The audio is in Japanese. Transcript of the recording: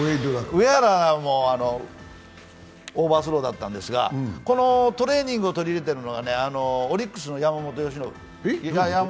上原もオーバースローだったんですが、このトレーニングを取り入れているのがオリックスの山本由伸。